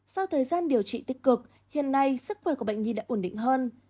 sau thời gian điều trị tích cực hiện nay sức khỏe của bệnh nhi đã ổn định hơn